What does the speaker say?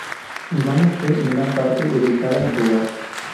Ivana fue, en gran parte, educada en su hogar.